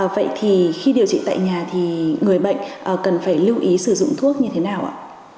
vậy thì khi điều trị tại nhà thì người bệnh cần phải lưu ý sử dụng thuốc như thế nào ạ